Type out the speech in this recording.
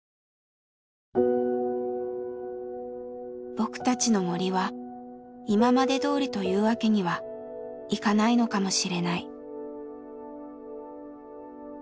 僕たちの森は今までどおりというわけにはいかないのかもしれない。